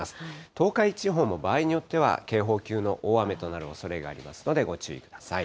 東海地方も場合によっては、警報級の大雨となるおそれがありますので、ご注意ください。